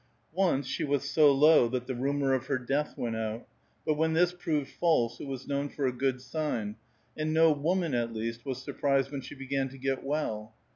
Once she was so low that the rumor of her death went out; but when this proved false it was known for a good sign, and no woman, at least, was surprised when she began to get well.